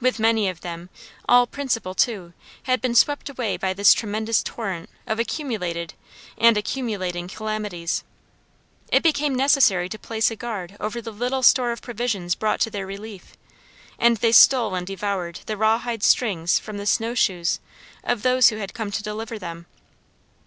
With many of them, all principle, too, had been swept away by this tremendous torrent of accumulated, and accumulating calamities. It became necessary to place a guard over the little store of provisions brought to their relief; and they stole and devoured the rawhide strings from the snow shoes of those who had come to deliver them.